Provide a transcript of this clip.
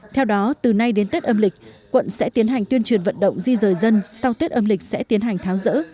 theo đó từ nay đến tết âm lịch quận sẽ tiến hành tuyên truyền vận động di rời dân sau tết âm lịch sẽ tiến hành tháo rỡ